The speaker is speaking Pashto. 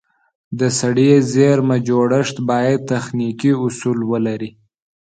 د سړې زېرمه جوړښت باید تخنیکي اصول ولري.